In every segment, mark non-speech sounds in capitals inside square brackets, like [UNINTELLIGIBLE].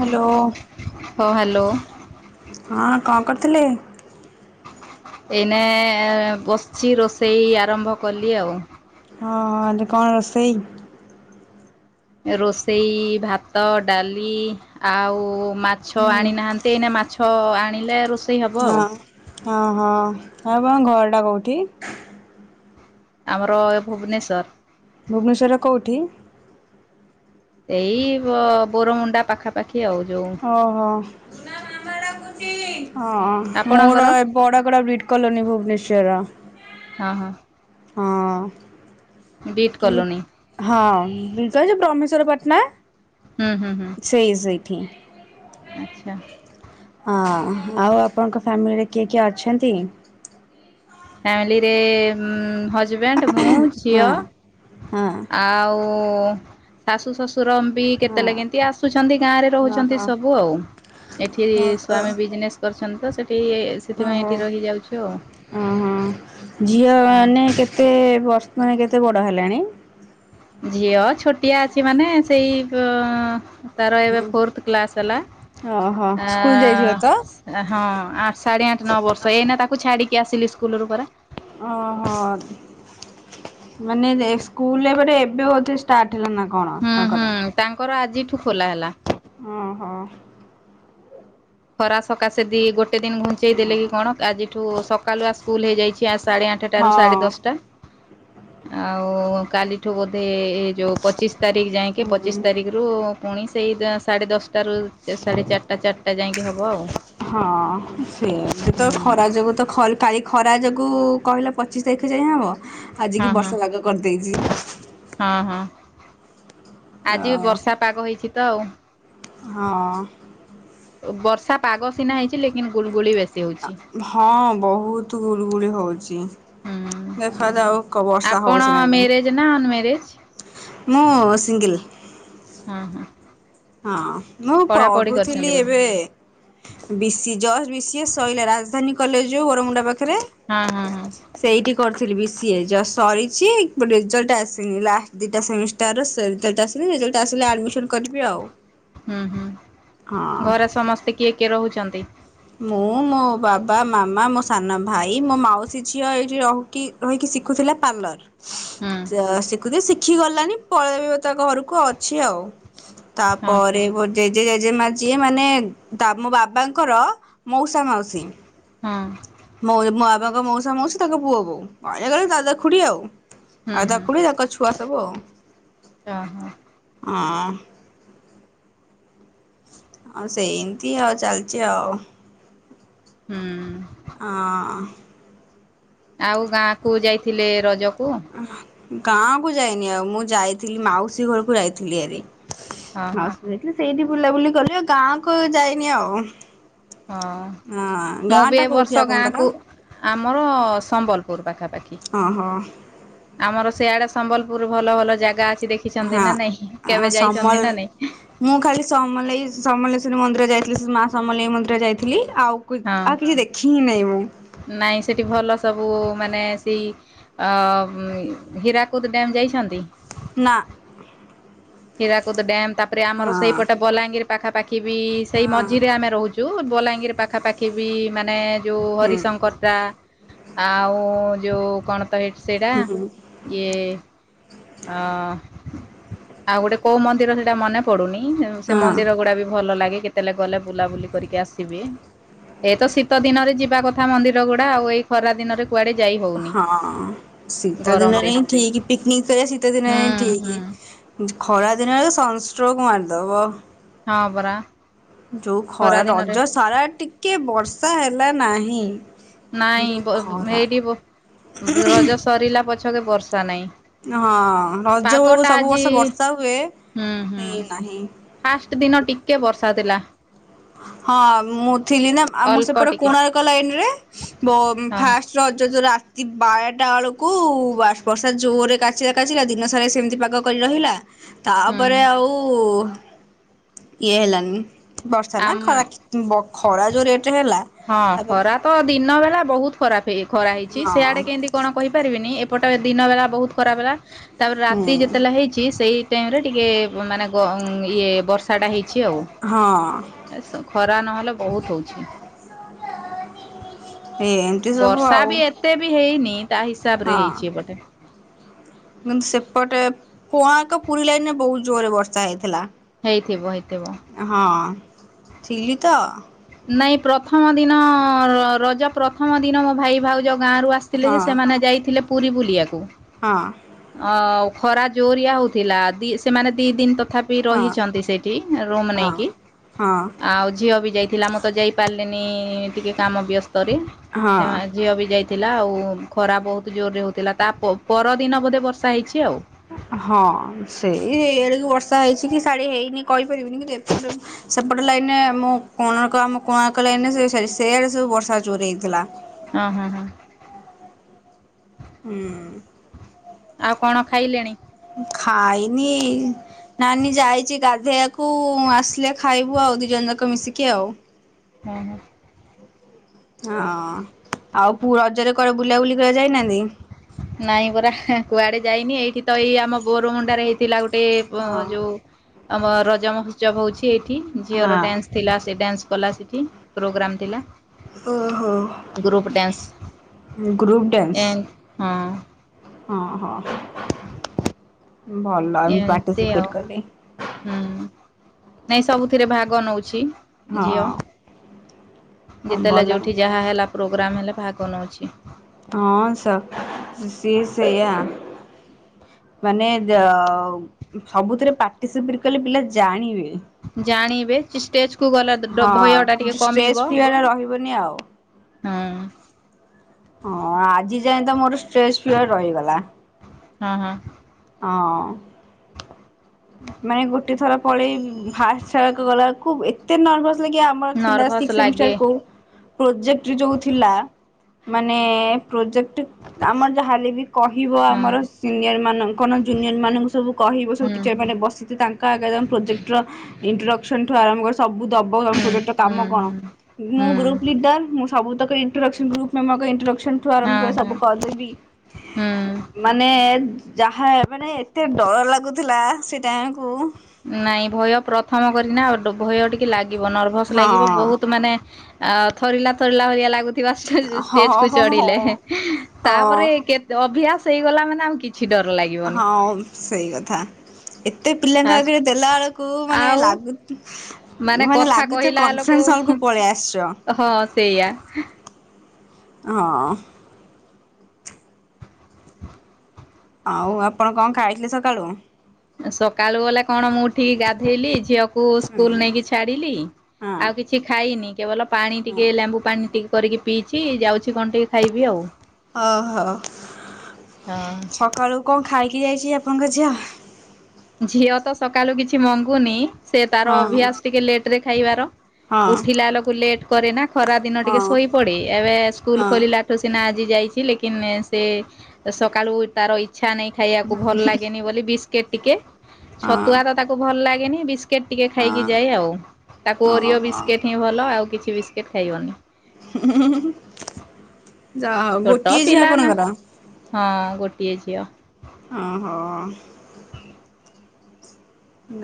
Hello. ହଁ, hello. ହଁ, କଣ କରିଥିଲେ? [UNINTELLIGIBLE] ହଁ, ହଁ, କଣ ରୋଷେଇ? ରୋଷେଇ ଭାତ ଡାଲି ଆଉ ମାଛ ହୁଁ। ଆଣିନାହା ନ୍ତି ଏଇନା ମାଛ ଆଣିଲେ ରୋଷେ ହଁ ହଁ ହ ଆଉ ତମ ଘରଟା କୋଉଠି? ଆମର ଭୁବନେଶ୍ୱର। ଭୁବନେଶ୍ୱର କୋଉଠି? ଏଇ ବ ବୋରମୁଣ୍ଡା ପାଖାପାଖି ଆଉ ଯୋଉ ଓହୋ ହଁ ଆପଣଙ୍କର ମୋର ଏ ବଡଗଡ ବ୍ରିଡ୍ କଲୋନୀ ଭୁବନେଶ୍ଵର ହଁ ହଁ ହଁ ବିଟ୍ କି କଲୋନୀ ହଁ ଛ୍ରମେଶ୍ଵର [INAUDIBLE] ପଟଣା ହୁଁ ହୁଁ ହୁଁ ସେଇ ସେଇଠି ଆଚ୍ଛା। ହଁ ଆଉ ଆପଣଙ୍କ ଫ୍ୟାମିଲି ରେ କିଏ କିଏ ଅଛନ୍ତି? ଫ୍ୟାମିଲି ରେ ଉଁ ହଜବେଣ୍ଡ୍ ମୁଁ ହଁ ଝିଅ ହଁ ଆଉ ଓ ଶାଶୁ ଶ୍ୱଶୁର ବି କେତେଲେ କେନ୍ ହଁ ନ୍ତି ଆସୁଛନ୍ତି ଗାଁ ରେ ରହୁଛନ୍ତି ଓହୋ ସବୁ ଆଉ ଏଠି ସ୍ଵାମୀ ବିଜନେସ୍ କରିଛନ୍ତି ତ ସେଠି ସେଥିପାଇଁ ଏଠି ରହିଯାଉଚୁ ଆଉ ହଁ ହଁ ଝିଅ ହଁ। ମାନେ କେତେ ବର୍ଷ କେତେ ବଡ଼ ହେଲେଣି? ଝିଅ ଛୋଟିଆ ଅଛି ମାନେ ସେଇ ବ ତାର ଏବେ ଫୋର୍ଥ କ୍ଲାସ୍ ହେଲା ଓହୋ ସ୍କୁଲ ଯାଇଥିବ ତ? ଏଁ ହଁ ଆଠ ସାଢେ ଆଠ ନଅ ବର୍ଷ ଏଇନା ତା କୁ ଛାଡିକି ଆସିଲି ସ୍କୁଲରୁ ପରା଼ ଓହୋ ମାନେ ସ୍କୁଲ୍ ଏବଟ ଏବେ ବୋଧେ ଷ୍ଟାର୍ଟ ହେଲା ନା କଣ ହୁଁ ହୁଁ ତାଙ୍କର? ତାଙ୍କର ଆଜିଠୁ ଖୋଲା ହେଲା। ଓ ହୋ। ଖରା ସକାଶେ ଦି ଗୋ ଟେ କେତେ ଦିନ ଘୁଞ୍ଚେଇ ଦେଲେ କି କଣ ଆଜିଠୁ ସକାଲୃଆ ସ୍କୁଲ୍ ହେଇଯାଇଚି ସାଢେ ଆଠଟା ରୁ ସାଢେ ଦଶଟା। ହଁ। [INAUDIBLE] ଆଉ କାଲିଠୁ ବୋଧେ ଏ ଯୋଉ ପଚିଶି ତାରିଖ୍ ଯାଇକି ହୁଁ। ପଚିଶି ତାରିଖ୍ ରୁ ପୁଣି ସେଇ ଦ ସାଢ଼େ ଦଶଟାରୁ ସାଢ଼େ ଚାର୍ ଟା ଚା ହଁ ସେୟା ସେ ହୁଁ ତ ଖରା ଯୋଉ ତ ଖ କାଲି ଖରା ଯୋଗୁ କହିଲା ପଚିଶି ତାରିଖ୍ ଯାଏ ହବ ହଁ ଆଜିିକି ହଁ ବର୍ଷା ପାଗ କରିଦେଇଚି। ହଁ ହଁ ଅ ଆଜି ବି ବର୍ଷା ପାଗ ହେଇଚି ତ ଆଉ ହଁ। ବର୍ଷା ପାଗ ସିନା ହେଇଚି ଲିକନ୍ ଗୁଳୁଗୁଳି ବେଶି ଆ ହଁ ବହୁତୁ ଗୁଳୁ ଗୁଳି ହଉଚି ହୁଁ ଦେଖାଯାଉ କ ବର୍ଷା ଆପଣ ହଉଚି ନା ନାଇଁ। ମ୍ୟାରେଜ ନା ଅନମ୍ୟାରେଜ? ମୁଁ ସିଙ୍ଗିଲ୍। ହଁ ହଁ। ହଁ ମୁଁ ପଢ଼ାପଢ଼ି କରିଛନ୍ତି ପଢୁଥିଲି ବୋଧେ ଏବେ ବିସି ଜଜ ବିସି ଏ ସଇଲା ରାଜଧାନୀ କଲେଜ୍ ଯୋଉ ବରମୁଣ୍ଡା ପାଖରେ ହଁ ହଁ ହଁ ସେଇଠି କରିଥିଲି ବି ସି ଏ ଜଷ୍ଟ୍ ସରିଚି ରେଜଲ୍ଟ ଆସିନି ଲାଷ୍ଟ ଦିଟା ସେମିଷ୍ଟା ତାର ସେ ରିଜଲ୍ଟ ଆସିନି ରିଜଲ୍ଟ ଆସିଲେ ଆଡମିସନ କରିବି ଆଉ ହୁଁ ହୁଁ ହଁ। ଘରେ ସମସ୍ତେ କିଏ କିଏ ରହୁଛନ୍ତି। ମୁଁ ମୋ ବାବା ମାମା ମୋ ସାନ ଭାଇ ମୋ ମାଉସୀ ଝିଅ ଏଇଠି ରହୁକି ରହିକି ଶିଖୁଥିଲା ପାର୍ଲର ହୁଁ ତ ଶିକୁଚି ଶିଖି ଗଲାନି ପଳେଇବ ତା ଘରକୁ ଅଛି ଆଉ ହଁ ହଁ ତାପରେ ମୋ ଜେଜେ ଜେଜେ ମା ଯିଏ ମାନେ ତା ମୋ ବାବାଙ୍କର ମଉସା ମାଉସୀ ହଁ। ମୋ ଏ ମୋ ବାବାଙ୍କ ମଉସା ମଉସୀ ତାଙ୍କ ପୁଅ ବୋହୁ ଏ ଦାଦା ଖୁଡି ଆଉ ହୁଁ ଦାଦା ଖୁଡି ତାଙ୍କ ଛୁଆ ସବୁ ଆଉ। ହ ହଁ। ହଁ। ହଁ ସେମତି ଆଉ ଚାଲିଛି ଆଉ। ହୁ। ଅ ଆଉ ଗାଁ କୁ ଯାଇଥିଲେ ରଜକୁ। ଗାଁ କୁ ଯାଇନି ଆଉ ମୁଁ ଯାଇଥିଲି ମାଉସୀ ଘରକୁ ଯାଇଥିଲି ହେରି। ହଁ ହଁ ମାଉସୀ ଯାଇଥିଲି ସେଇଠି ବୁଲାବୁଲି କଲି ଆଉ ଗାଁକୁ ଯାଇନି ଆଉ। ହଁ ହଁ ମୁଁ ଗାଁ ବି ଟା ଏ କୋଉଠି ବର୍ଷ ଗାଁ ଆପଣଙ୍କର? କୁ ଆମର ସମ୍ବଲପୁର ପାଖାପାଖି। ହଁ ହଁ ଆମର ସେଆଡେ ସମ୍ବଲପୁର ଭଲ ଭଲ ଜାଗା ଅଛି ଦେଖିଛନ୍ତି ନା ନାଇଁ ହଁ କେବେ ଯାଇଛନ୍ତି ସମଲ ନା ନାଇଁ। ମୁଁ ଖାଲି ସମଲେଇ ସମଲେଶ୍ୱରୀ ମନ୍ଦିର ଯାଇଥିଲି ସେ ମା ସମଲେଇ ମନ୍ଦିର ଯାଇଥିଲି ଆଉ ପୁ ଆଉ କିଛି ଦେଖି ହିଁ ନାହିଁ ମୁଁ ନାହିଁ ସେଠି ଭଲ ସବୁ ମାନେ ସେଇ ଅ ହୀରାକୁଦ ଡ୍ୟାମ ଯାଇଛନ୍ତି। ନା ହୀରାକୁଦ ଡ୍ୟାମ ତାପରେ ଆମର ହଁ ସେଇପଟେ ବଲାଙ୍ଗୀର ପାଖାପଖି ବି ସେଇ ହଁ ମଝିରେ ଆମେ ରହୁଛୁ। ଯୋଉ ବଲାଙ୍ଗୀର ପାଖାପାଖି ବି ମାନେ ଯୋଉ ହୁଁ ହରିଶଙ୍କରଟା ଆଉ ଯଉ କ ଣ ତ ହେଟ୍ ସେଇଟା ହୁଁ ଇଏ ଅ ଆଉ ଗୋଟେ କୋଉ ମନ୍ଦିର ସେଇଟା ମନେ ପଡୁନି ସେ ହଁ ମନ୍ଦିର ଗୁଡା ବି ଭଲ ଲାଗେ କେତେବେଳେ ଗଲେ ବୁଲାବୁଲି କରିକି ଆସିବି। ଏ ତ ଶୀତ ଦିନରେ ଯିବା କଥା ମନ୍ଦିର ଗୁଡା ଆଉ ଏଇ ଖରା ଦିନରେ କୁଆଡେ ଯାଇ ହଉନି। ହଁ ସୀତ ଗରମରେ ଦିନରେ ହିଁ ଠିକ୍ ପିକ୍ନିକ୍ କରିବା ହୁଁ ଶୀତଦିନରେ ହିଁ ହୁଁ ଠିକ୍ ଖରାଦିନରେ ବକି ସନଷ୍ଟ୍ରୋକ୍ ମାରିଦେବ। ହଁ ପରା। ଯୋଉ ଖରା ରଜ ସାରା ଟିକେ ବର୍ଷା ହେଲା ନାହିଁ। ନାଇଁ ଯୋଉ ବ ଖରା ଏଇଠି ବ ରଜ ସରିଲା ପଛକେ ବର୍ଷା ନାଇଁ। ହଁ ରଜ ବଳକୁ ସବୁ ବର୍ଷା ହୁଏ ହୁଁ ହୁଁ ହେଇନାହିଁ। ଫାଷ୍ଟ ଦିନ ଟିକେ ବର୍ଷା ଥିଲା। ହଁ ମୁଁ ଥିଲି ନା ଆମ ଅଳ୍ପ ସେପଟ ଟିକେ କୋଣାର୍କ ଲାଇନରେ ବ ହଁ। ଫାଷ୍ଟ ରଜ ଯୋ ରାତି ବାରଟା ବେଳକୁ ବର୍ଷା ଜୋରରେ କାଚିଲା କାଚିଲା ଦିନ ସାରା ସେମିତି ପାଗ କରି ରହିଲା ତାପରେ ହୁଁ ଆଉ ଇଏ ହେଲାନି। ଆଛା ନା ଆମ ଖରା ବ ଖରା ଯୋଉ ରେଟରେ ହେଲା ହଁ ତାପରେ ଖରା ତ ଦିନ ବେଲା ବହୁତ ଖରାପ ଖରା ହେଇଛି ସେଆଡେ ହଁ କେମତି କଣ କହିପାରିବିନି ଏପଟେ ଦିନ ବେଳା ବହୁତ ଖରାପ ହେଲା। ତାପରେ ହୁଁ ରାତି ଯେତେବେଳେ ହେଇଛି ସେଇ ଟାଇମ ରେ ଟିକେ ମାନେ ଗ ଇଏ ବର ବର୍ଷାଟା ହେଇଛି ଆଉ ହଁ ସ ଖରା ନହେଲେ ବହୁତ ହଉଛି। [INAUDIBLE] ଏମିତି ସବୁ ବର୍ଷା ଆଉ ବି ଏତେ ବି ହେଇନି ତା ହିସାବ ରେ ହଁ। ହେଇଛି ଏପଟେ। କିନ୍ତୁ ସେପଟେ କୋଣାର୍କ ପୁରୀ ଲାଇନରେ ବହୁତ ଜୋରରେ ବର୍ଷା ହେଇଥିଲା। ହେଇଥିବ ହେଇଥିବ। ହଁ ଥିଲି ତ। ନାଇଁ ପ୍ରଥମ ଦିନ ରଜ ପ୍ରଥମ ଦିନ ମୋ ଭାଇ ଭାଉଜ ଗାଁ ରୁ ଆସି ଆସିଥିଲେ ହଁ ଯେ ସେମାନେ ଯାଇଥିଲେ ପୁରୀ ବୁଲିବାକୁ। ହଁ। ଅ ଖରା ଜୋରିଆ ହଉଥିଲା ଦି ସେମାନେ ଦି ଦିନ ତ ତଥାପି ହଁ ରହିଛନ୍ତି ସେଇଠି ରୁମ୍ ହଁ ନେଇକି। ହଁ ଆଉ ଝିଅ ବି ଯାଇଥିଲା ମୁଁ ତ ଯାଇପାରିଲିନି ଟିକେ କାମ ବ୍ୟସ୍ତରେ। ହଁ ସେ ଝିଅ ବି ଯାଇ ଥିଲା ଆଉ ଖରା ବହୁତ ଜୋରରେ ହଉଥିଲା ତା ପରଦିନ ବୋଧେ ବର୍ଷା ହେଇଛି ଆଉ। ହଁ ସେଇ ଏଇଆଳକୁ ବର୍ଷା ହେଇଛି କି ଶାଢୀ ହେଇନି କହିପାରିବିନି କି କିନ୍ତୁ ଏପଟେ ସେପଟେ ଲାଇନେ ମୁଁ କୋଣାର୍କ ଆମ କୋଣାର୍କ ଲାଇନ ସେଇ ସେଆଡେ ସବୁ ବର୍ଷା ଯୋରେ ହେଇଥିଲା। ହଁ ହଁ ହଁ ହୁଁ ଆଉ କଣ ଖାଇଲେଣି? ଖାଇନି ନାନୀ ଯାଇଛି ଗାଧେଇବାକୁ ଆସିଲେ ଖାଇବୁ ଆଉ ଦି ଜଣ ଯାକ ମିଶିକି ଆଉ ହଁ ହୁଁ। ହଁ ଆଉ ପୁଅ ରଜରେ କଣ ବୁଲାବୁଲି କରିବାକୁ ଯାଇନାହାନ୍ତି। ନାଇଁ ପରା କୁଆଡେ ଯାଇନି ଏଇଠି ତ ଏଇ ଆମ ବୋରମୁଣ୍ଡାରେ ହେଇଥିଲା ଗୋଟେ ହଁ ଯୋଉ ଆମ ରଜ ମହୋତ୍ସବ ହଉଛି ଏଇଠି ଝିଅର ହଁ ଡ୍ୟାନ୍ସ ଥିଲା ସେ ଡ୍ୟାନ୍ସ କଲା ସେଠି ପ୍ରୋଗ୍ରାମ୍ ଥିଲା ଗ୍ରୁପ ଡ୍ୟାନ୍ସ। ଗ୍ରୁପ ଏନ୍ ହଁ। ହଁ ହଁ। ଭଲମ ଏମିତି ଆଉ ପାର୍ଟିସିପେଟ କଲି। ହୁଁ ନାଇଁ ସବୁଥିରେ ଭାଗ ନଉଛି। ଝିଅ ହଁ। ହଁ ଯେତେବେଳେ ଭଲ ଯୋଉଠି ଯାହା ହେଲା ପ୍ରୋଗ୍ରାମ ହେଲେ ଭାଗ ନଉଛି। ହଁ ସ ସିଏ ସେୟ। ମାନେ ସବୁଥିରେ ପାର୍ଟିସିପେଟ କଲେ ପିଲା ଜାଣିବେ। ଜାଣିବେ ଚିଷ୍ଟେ ହଁ ଷ୍ଟ୍ରେସ୍ ଫି ହେଲା ରହିବନି ଆଉ। ହଁ ହଁ ଆଜି ଯାଇଏ ତ ମୋର ଷ୍ଟ୍ରେସ୍ ଫି ରହିଗଲା। ହଁ ହଁ। ହଁ। ମାନେ ଗୋଟେ ଥର ପଳେଇ ଫାଷ୍ଟ ଥରକୁ ଗଲା ବେଳକୁ ଏତେ ନର୍ଭସ ଆମର ଥିଲା୍ ନର୍ଭସ ସିକ୍ସ ଲାଗେ ସେମିଷ୍ଟାରକୁ ପ୍ରୋଜେକ୍ଟ୍ରି ଯୋଉ ଥିଲା, ମାନେ ପ୍ରୋଜେକ୍ଟ ଆମର ଯାହାଲେ ବି କହିବ ହଁ ଆମର ସିନିୟର ମାନଙ୍କ କଣ ଜୁନିୟର ମାନଙ୍କୁ ସବୁ କହିବ ସବୁ ହୁଁ ଟିଚର ମାନେ ବସିଛି ତାଙ୍କ ଆଗରେ ଆମ ପ୍ରୋଜେକ୍ଟର ଇଣ୍ଟ୍ରୋଡକ୍ସନ୍ଠୁ ଆରମ୍ଭ କରି ସ ସବୁ ଦବ, ଆଉ ହୁଁ ପ୍ରୋଜେକ୍ଟ ର ହୁଁ ହୁଁ କାମ କଣ, ହୁଁ ମୁଁ ହୁଁ ଗ୍ରୁପ ଲିଡର ମୁଁ ସବୁ ତକ ଇଣ୍ଟ୍ରୋଡକ୍ସନ ଗ୍ରୁପ ମ ଣ୍ଟ୍ରୋଡକ୍ସନ ଠୁ ଆରମ୍ଭ ହଁ କ ସବୁ ହଁ କରିଦେବି। ହୁଁ ମାନେ ଯାହା ମାନେ ଏତେ ଡର ଲାଗୁଥିଲା ସେ ଟାକୁ। ନାଇଁ ଭୟ ପ୍ରଥମ କରିନା ଡ ଭୟ ଟିକେ ଲାଗିବ, ନର୍ଭସ୍ ଲାଗିବ ହଁ ବହୁତ ମାନେ ଆ ଥରିଲା, ଥରିଲା ଭଳିଆ ଲାଗୁଥିବା ଷ୍ଟେଜ ହଁ କୁ ହଁ ଚଢିଲେ, ହଁ। ହଁ ତାପରେ କେତ ଅଭିଆସ ହେଇଗଲା ମାନେ ଆଉ କି? କିଛି ଡର ଲାଗିବ ହଁ, ସେଇ କଥା। ଏତେ ପିଲାଙ୍କ ଫାଷ୍ଟ ଆଗରେ ଦେଲା ବେଳକୁ ମାନେ ଆଉ ଲାଗୁ ମାନେ କଥା ଲାଗୁଥ କହିଲା ଲୋକ କନଫରେନ୍ସ ହଲ କୁ ପଳେଇ ଆସିଛ। ହଁ ସେଇଆ। ହଁ। ଆଉ ଆପଣ କଣ ଖାଇଥିଲେ ସକାଳୁ? ସକାଳୁ ବଲେ କଣ ମୁଁ ଉଠିକି ଗାଧେଇଲି, ଝିଅକୁ ହୁଁ ସ୍କୁଲ ନେଇକି ଛାଡିଲି। ହଁ ଆଉ କିଛି ଖାଇନି, କେବଲ ପାଣି ହଁ। ଟିକେ ଲେମ୍ବୁ ପାଣି ଟିକେ କରିକି ପିଇଛି, ଯାଉଛି କଣ ଟିକେ ଖାଇବି ଆଉ। ଓହୋ, ହଁ। ସକାଳୁ କଣ ଖାଇକି ଯାଇଛି, ଆପଣଙ୍କ ଝିଅ? ଝିଅ ତ ସକାଲୁ କିଛି ମଙ୍ଗୁନି, ସେ ତାର ହଁ ଅଭ୍ୟାସ ଟିକେ ଲେଟ ରେ ଖାଇବାର। ହଁ ଉଠିଲା ଲକୁ ଲେଟ କରେ ନା ଖରା ଦିନ ହଁ ଟିକେ ଶୋଇ ପଡେ, ଏବେ ସ୍କୁଲ ହଁ ଖୋଲିଲା ଠୁ ସିନା ଆଜି ଯାଇଛି ଲେକିନ ସେ ସକାଳୁ ତାର ଇ ଚ୍ଛା ନେଇ ଖାଇବାକୁ, ଭଲ ଲାଗେନି ବୋଲି ବିସ୍କିଟ ଟିକେ ହଁ। ଛତୁଆ ତ ତାକୁ ଭଲ ଲାଗେନି, ବିସ୍ ବିସ୍କେଟ୍ ଟିକେ ଖାଇକି ହଁ ଯାଏ ଆଉ, ତାକୁ ଓରିଓ ଓହୋ ବିସ୍କେଟ୍ ହିଁ ଭଲ, ଆଉ କିଛି ବିସ୍କେଟ୍ ଖାଇବନି। ଯା ଛୋଟ ଗୋଟିଏ ଝିଅ ପିଲା ନା ଆପଣଙ୍କର? ହଁ, ଗୋଟିଏ ଝିଅ। ଓହୋ।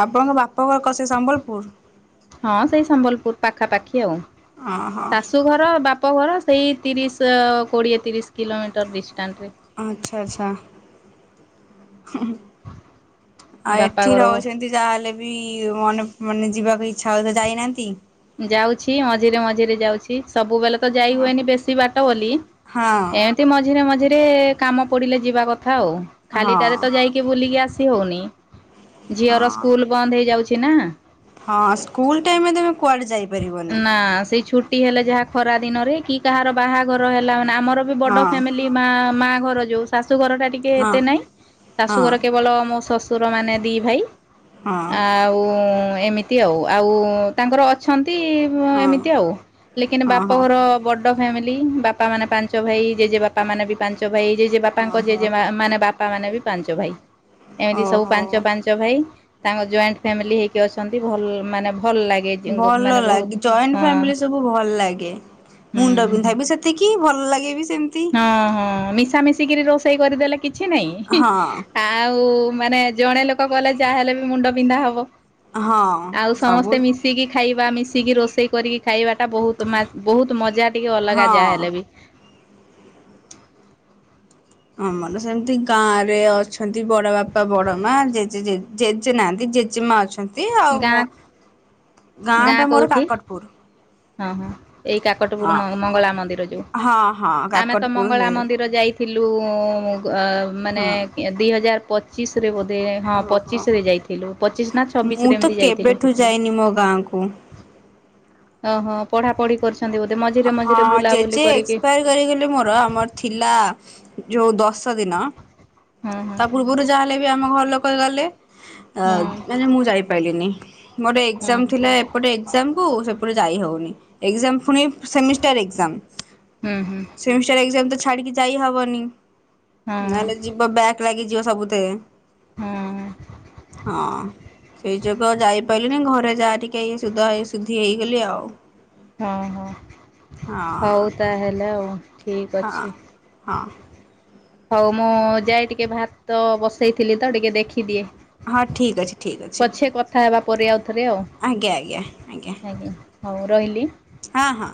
ଆପଣଙ୍କ ବାପଘର କସ ସେ ସମ୍ବଲପୁର? ହଁ, ସେଇ ସମ୍ବଲପୁର ପାଖାପାଖି ଆଉ, ଓହୋ ଶାଶୁଘର ବାପ୍ ଅପଘର ସେଇ ତିରିଶ କୋଡ଼ିଏ ତିରିଶ କିଲୋମିଟର ଡିଷ୍ଟାନ୍ସରେ। ଆଚ୍ଛା, ଆଚ୍ଛା। ଆଉ ବାପା ଏଠି ଘର ରହୁଛନ୍ତି। ଯାହେଲେ ବି ମନେ ମାନେ ଯିବାକୁ ଇଚ୍ଛା ହଉଥିବ ଯାଇନାହାନ୍ତି। ଯାଉଛି ମଝିରେ ମଝିରେ ଯାଉଛି, ସବୁବେଲେ ତ ଯାଇ ହଁ ହୁଏନି ବେଶୀ ବାଟ ବୋଲି, ହଁ ଏମ୍ ଏମିତି ମଝିରେ ମଝିରେ କାମ ପଡିଲେ ଯିବା କଥା ଆଉ, ଖାଲିଟାରେ ତ ହଁ ଯାଇ କି ବୁଲିକି ଆସି ହଉନି, ଝିଅର ହଁ। ସ୍କୁଲ ବନ୍ଦ ହେଇଯାଉଛି ନା। ହଁ ସ୍କୁଲ ଟାଇମରେ ତମେ କୁଆଡେ ଯାଇପାରିବନି ନା ସେଇ ଛୁଟି ହେଲେ ଯାହା ଖରା ଦିନରେ କି କାହାର ବାହାଘର ହେଲା ମାନେ ଆମର ବି ହଁ ବଡ ଫ୍ୟାମିଲି ମା ମା ଘର ଯୋଉ, ଶାଶୁ ଘର ଟା ଟିକ କେ ହଁ। ଏତେ ନାଇଁ ହଁ ଶାଶୁଘର କେବଳ ମୋ ଶ୍ୱଶୁର ମାନେ ଦି ଭାଇ ହଁ ଆଉ ଏମିତି ଆଉ, ଆଉ ତାଙ୍କର ଅଛନ୍ତି। ହଁ ହଁ ଏମିତି ଆଉ, ଲେକନ୍ ହଁ ବାପଘର ବ ଡ ଫ୍ୟାମିଲି, ବାପା ମାନେ ପାଞ୍ଚ ଭାଇ, ଜେଜେ ବାପା ମାନେ ବି ପାଞ୍ଚ ଭାଇ, ଜେଜେ ବା ବାପାଙ୍କ ଓହୋ। ଜେଜେମା ମାନେ ବାପା ମାନେ ବି ପାଞ୍ଚ ଭାଇ, ଏମିତି ସବୁ ଓହୋ ପାଞ୍ଚ, ପାଞ୍ଚ ଭାଇ ତାଙ୍କ ଜଏଣ୍ଟ ଫ୍ୟାମିଲି ହେଇକି ଅଛନ୍ତି ଭଲ ମାନେ ଭଲ ଲାଗେ ଭଲ ମାନେ ବହୁତ ଲାଗେ ଜଏଣ୍ଟ ହଁ ଫ୍ୟାମିଲି ସବୁ ଭଲ ଲାଗେ ହୁଁ ମୁଣ୍ଡ ପିନ୍ଧାଇବି ସେ ସେତିକି ଭଲ ଲାଗେ ବି ସେମିତି ହଁ ହଁ ମିଶା ମିିଶିକରି ରୋଷେଇ କରିଦେଲେ କିଛି ନାଇଁ ହଁ ଆଉ ମାନେ ଜଣେ ଲୋକ କଲେ ଯାହାହେଲେ ବି ମୁଣ୍ଡ ବିନ୍ଧା ହବ ହଁ। ଆଉ ସବୁ ସମସ୍ତେ ମିଶିକି ଖାଇବା ମିଶିକି ରୋଷେଇ କରିକି ଖାଇବା ଟା ବହୁତ ବହୁତ ମଜା ଟିକେ ଅଲଗା ହଁ। ଯାହାହେଲେ ବି ଆମର ସେମିତି ଗାଁ ରେ ଅଛନ୍ତି ବଡ ବାପା ବଡ ମା ଜେଜେ ଜେଜେ ନାହାନ୍ତି ଜେଜେମା ଅଛନ୍ତି ଆଉ ଗାଁ ମୋ ଗାଁ ଟା ମୋର କାକଟପୁର ହଁ ହଁ ଏଇ କାକଟପୁର ହଁ ମଙ୍ଗଳା ମନ୍ଦିର ଯୋଉ ହଁ ହଁ ଆମେ ତ କାକଟପୁର ମଙ୍ଗଳା ହେ ମନ୍ଦିର ଯାଇ ଥିଲୁ ମାନେ ହଁ। ଦିଇ ହଜାର ପ ପଚିଶରେ ବୋଧେ ହଁ ଓହୋ ପଚିଶରେ ଯାଇଥିଲୁ ପଚିଶ ନା ଛବିଶ ମୁଁ ତ କେବେଠୁ ଯାଇନି ମୋ ଗାଁକୁ ଓହୋ ପଢା ପଢି କରୁଛନ୍ତି ବୋଧେ ମଝିରେ ହଁ ମଝିରେ ବୁଲାବୁଲି ଜେଜେ କରିକି ଏକ୍ସପାୟାର କରିଗଲେ ମୋର ଆମର ଥିଲା ଯୋଉ ଦଶ ଦିନ ହଁ ହଁ ତା ପୂର୍ବରୁ ଯାହାହେଲେ ବି ଆମ ଘର ଲୋକ ଗଲେ ହଁ ମାନେ ମୁଁ ଯାଇପାରିଲିନି ମୋର ହୁଁ ଏକ୍ଜାମ ଥିଲା ପଟେ ଏକ୍ଜାମ କୁ ସେପଟେ ଯାଇ ହଉନି ଏକ୍ଜାମ ପୁଣି ସେମିଷ୍ଟର ଏକ୍ଜାମ ହୁଁ ହୁଁ ସେମିଷ୍ଟର ଏକ୍ଜାମ ତ ଛାଡିକି ଯାଇ ହବନି ହଁ ନହେଲେ ଯିବ ବ୍ୟାକ୍ ଲାଗିଯିବ ସବୁଥିରେ ହଁ ହଁ ସେଇ ଯୋଗୁଁ ଆଉ ଯାଇପାରି ଘରେ ଯାହା ଟିକେ ସୁଧା ସୁଧି ହେଇଗଲି ଆଉ ହଁ ହଁ ହଁ ହଉ ତାହେଲେ ଆଉ ଠିକ୍ ହଁ ଅଛି। ହଁ ହଉ ମୁଁ ଯାଏ ଟିକେ ଭାତ ବସେଇଥିଲି ତ ଟିକେ ଦେଖିଦିଏ ହଁ ଠିକ୍ ଅଛି ଠିକ୍ ଅଛି ପଛେ କଥା ହେବା ପରେ ଆଉ ଥରେ ଆଉ ଆଜ୍ଞା ଆଜ୍ଞା ଆଜ୍ଞା ଆଜ୍ଞା ହଉ ରହିଲି ହଁ ହଁ